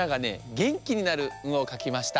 げんきになる「ん」をかきました。